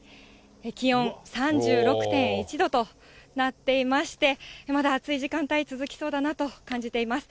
気温３６．１度となっていまして、まだ暑い時間帯続きそうだなと感じています。